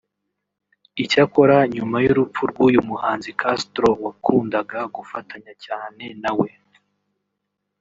Icyakora nyuma y’urupfu rw’uyu muhanzi Castro wakundaga gufatanya cyane na we